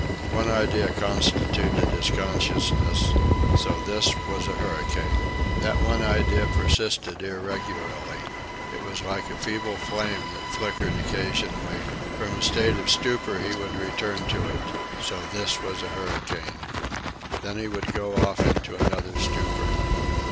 One idea constituted his consciousness: SO THIS WAS A HURRICANE. That one idea persisted irregularly. It was like a feeble flame that flickered occasionally. From a state of stupor he would return to it SO THIS WAS A HURRICANE. Then he would go off into another stupor.